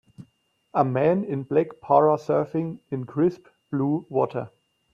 A man in black parasurfing in crisp, blue water.